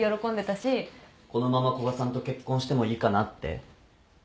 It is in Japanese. このまま古賀さんと結婚してもいいかなって？